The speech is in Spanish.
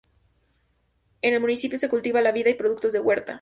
En el municipio se cultiva la vid y productos de huerta.